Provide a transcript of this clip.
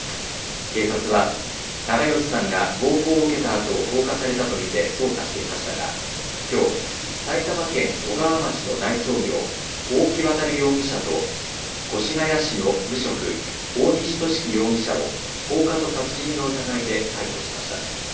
警察は長葭さんが暴行を受けたあと放火されたと見て捜査していましたがきょう、埼玉県小川町の内装業大木渉容疑者と越谷市の無職、大西寿貴容疑者を放火と殺人の疑いで逮捕しました。